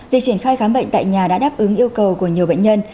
việc triển khai khám bệnh tại nhà đã đáp ứng yêu cầu của nhiều bệnh nhân